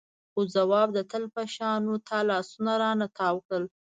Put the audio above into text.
خو ځواب د تل په شان و تا لاسونه رانه تاو کړل.